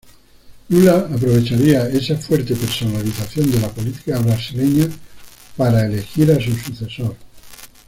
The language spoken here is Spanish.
Lula aprovecharía esa fuerte personalización de la política brasileña para elegir a su sucesor.